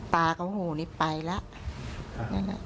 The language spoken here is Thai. ตากลัวหูนี้ไปแล้ว